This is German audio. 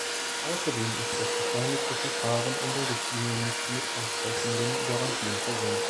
Außerdem ist das beschleunigte Verfahren in der Richtlinie nicht mit ausreichenden Garantien versehen.